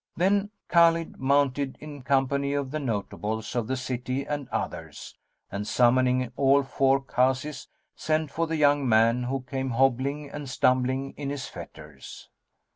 Then Khбlid mounted in company of the notables of the city and others; and, summoning all four Kazis, sent for the young man, who came hobbling and stumbling in his fetters.